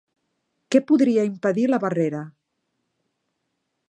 Què podria impedir la barrera?